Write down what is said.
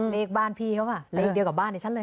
เรียกบ้านพี่เขาว่าเรียกเดียวกับบ้านในชั้นเลย